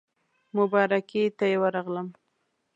مبارکۍ ته یې ورغلم.